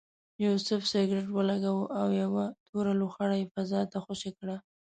یوسف سګرټ ولګاوه او یوه توره لوخړه یې فضا ته خوشې کړه.